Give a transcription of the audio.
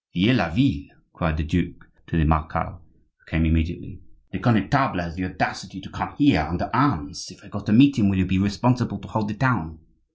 "Vieilleville!" cried the duke to the marechal, who came immediately. "The Connetable has the audacity to come here under arms; if I go to meet him will you be responsible to hold the town?"